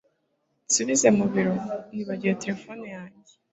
nsubize mu biro. nibagiwe terefone yanjye